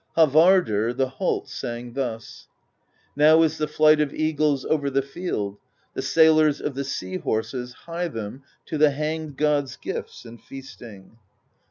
Havardr the Halt sang thus: Now is the flight of eagles Over the field; the sailors Of the sea horses hie them To the Hanged God's gifts and feasting.